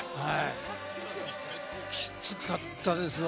きつかったですわ。